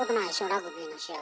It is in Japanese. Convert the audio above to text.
ラグビーの試合。